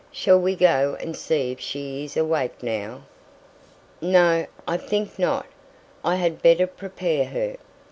Shall we go and see if she is awake now?" "No! I think not. I had better prepare her.